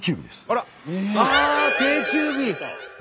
ああ定休日！